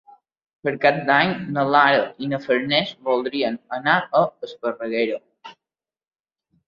Per Cap d'Any na Lara i na Farners voldrien anar a Esparreguera.